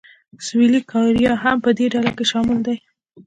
سویلي کوریا هم په همدې ډله کې شامل دی.